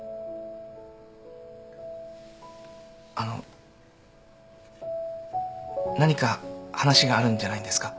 あの何か話があるんじゃないんですか？